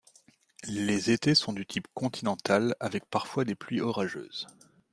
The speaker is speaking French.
Les étés sont du type continental avec parfois des pluies orageuses.